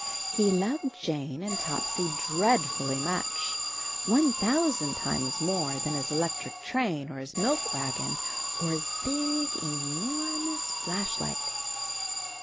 He loved Jane and Topsy dreadfully much — one thousand times more than his electric train or his milk wagon or his big e nor mous flashlight!